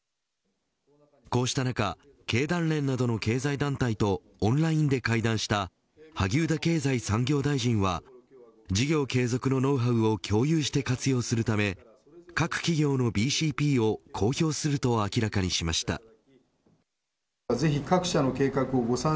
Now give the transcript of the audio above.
こうした中経団連などの経済団体とオンラインで会談した萩生田経済産業大臣は事業継続のノウハウを共有して活用するため各企業のＢＣＰを公表すると明らかにしました。